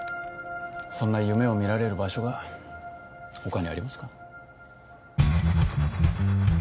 そんな夢を見られる場所が他にありますか？